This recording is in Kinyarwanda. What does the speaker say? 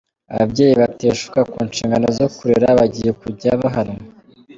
Ababyeyi bateshuka ku nshingano zo kurera, bagiye kujya bahanwa.